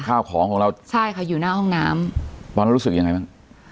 ข้าวของของเราใช่ค่ะอยู่หน้าห้องน้ำตอนนั้นรู้สึกยังไงบ้าง